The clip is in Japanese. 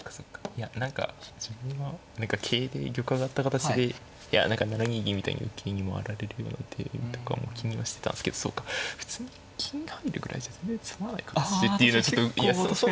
いや何か自分は何か桂で玉上がった形でいや何か７二銀みたいに受けに回られるような手とかも気にはしてたんですけどそうか普通に金が入るぐらいじゃ全然詰まない形っていうのはちょっといやそうなんですね。